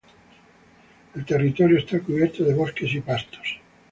El territorio está cubierto de bosques y pastos.